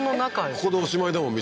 ここでおしまいだもん道